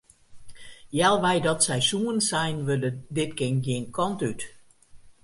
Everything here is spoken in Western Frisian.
Healwei dat seizoen seinen we dit kin gjin kant út.